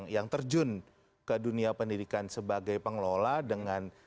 yang terjun ke dunia pendidikan sebagai pengelola dengan